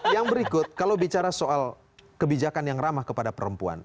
yang berikut kalau bicara soal kebijakan yang ramah kepada perempuan